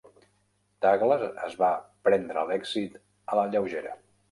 Douglas es va prendre l'èxit a la lleugera.